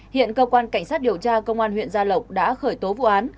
hiện cơ quan cảnh sát điều tra công an huyện gia lộc đã khởi tố vụ án